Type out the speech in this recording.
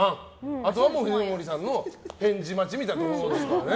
あとは藤森さんの返事待ちみたいなところですからね。